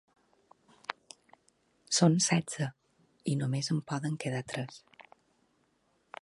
Són setze i només en poden quedar tres.